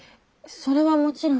それはもちろん。